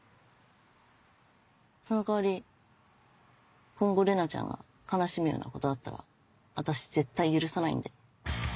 その代わり今後玲奈ちゃんが悲しむようなことあったら私絶対許さないんで。